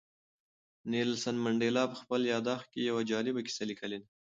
نیلسن منډېلا په خپل یاداښت کې یوه جالبه کیسه لیکلې ده.